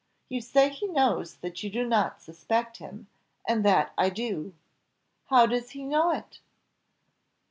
You say he knows that you do not suspect him, and that I do. How does he know it?"